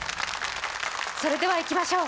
それではいきましょう。